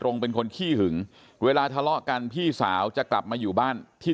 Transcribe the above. งงเป็นคนขี้หึงเวลาทะเลาะกันพี่สาวจะกลับมาอยู่บ้านที่